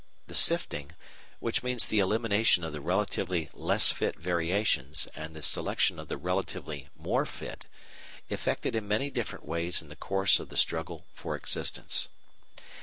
The sifting, which means the elimination of the relatively less fit variations and the selection of the relatively more fit, effected in many different ways in the course of the struggle for existence.